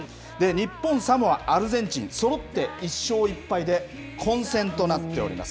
日本、サモア、アルゼンチンそろって１勝１敗で混戦となっております。